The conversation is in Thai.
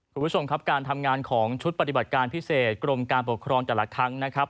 คุณผู้ชมครับการทำงานของชุดปฏิบัติการพิเศษกรมการปกครองแต่ละครั้งนะครับ